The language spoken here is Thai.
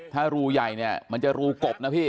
ถ้ารูใหญ่เนี่ยมันจะรูกบนะพี่